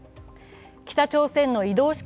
北朝鮮の移動式